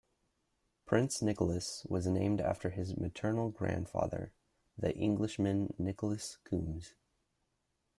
Prince Nicolas was named after his maternal grandfather, the Englishman Nicolas Coombs.